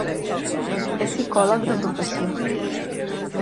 És psicòleg de professió.